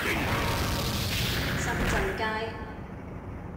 深圳街